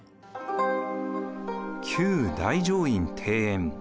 旧大乗院庭園。